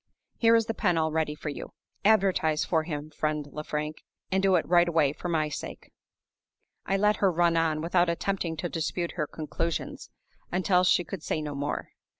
Here is the pen all ready for you. Advertise for him, friend Lefrank; and do it right away, for my sake!" I let her run on, without attempting to dispute her conclusions, until she could say no more.